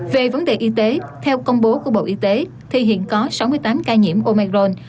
về vấn đề y tế theo công bố của bộ y tế thì hiện có sáu mươi tám ca nhiễm omeron